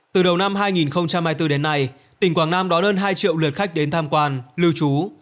từ đầu năm hai nghìn hai mươi bốn đến nay tỉnh quảng nam đón hơn hai triệu lượt khách đến tham quan lưu trú